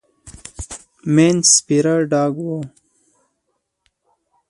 مينځ سپيره ډاګ و.